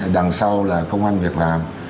đằng sau là công an việc làm